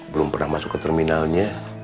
belum pernah masuk ke terminalnya